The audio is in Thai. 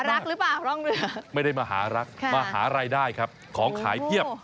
ล่องเรือไม่ได้มาหารักค่ะมาหารายได้ครับของขายเทียบ